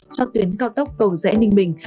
cho tuyến cao tốc cầu dễ ninh bình